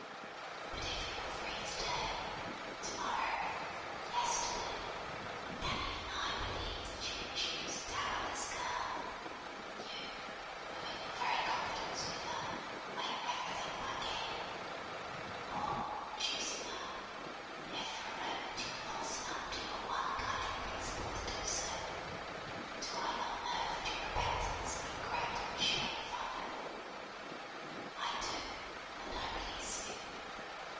But if you were free to day, to morrow, yesterday, can even I believe that you would choose a dowerless girl you who, in your very confidence with her, weigh everything by Gain: or, choosing her, if for a moment you were false enough to your one guiding principle to do so, do I not know that your repentance and regret would surely follow? I do; and I release you.